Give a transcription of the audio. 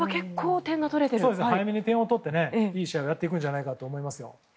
早めに点を取っていい試合をやっていくんじゃないかと思います。